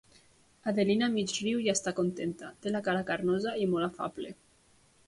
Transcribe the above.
Adelina mig-riu i està contenta; té la cara carnosa i molt afable.